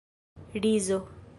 rizo